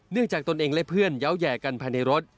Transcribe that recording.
เนื่องจากตนเองและเพื่อนย้าวแหย่กันภายในรถ